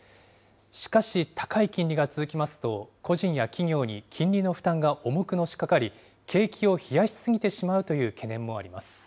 しかし、高い金利が続きますと、個人や企業に金利の負担が重くのしかかり、景気を冷やしすぎてしまうという懸念もあります。